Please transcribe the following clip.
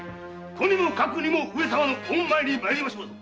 とにかく上様の御前に参りましょうぞ！